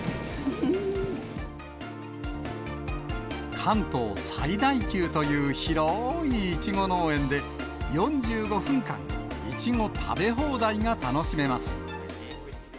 関東最大級という広ーいいちご農園で、４５分間、いちご食べ放題が楽しめます。